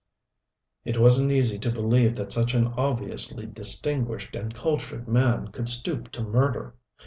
It wasn't easy to believe that such an obviously distinguished and cultured man could stoop to murder.